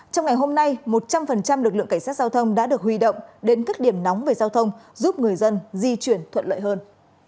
trong ngày hôm nay một trăm linh lực lượng cảnh sát giao thông đã được huy động đến các điểm nóng về giao thông giúp người dân di chuyển thuận lợi hơn